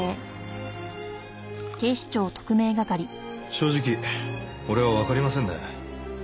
正直俺はわかりませんね。